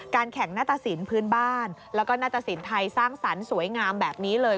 แข่งหน้าตะสินพื้นบ้านแล้วก็นาตสินไทยสร้างสรรค์สวยงามแบบนี้เลย